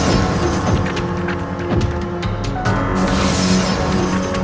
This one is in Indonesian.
sendika gustiratu ada apa memanggil hamba